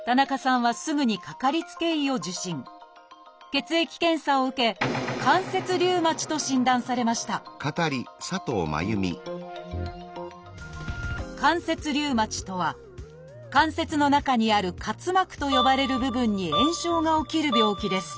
血液検査を受け「関節リウマチ」と診断されました「関節リウマチ」とは関節の中にある「滑膜」と呼ばれる部分に炎症が起きる病気です